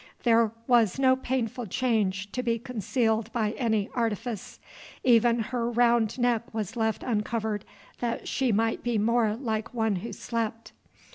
There 'was no painful change to be concealed by any artifice. Even her round neck was left uncovered, that she might be more like one who slept.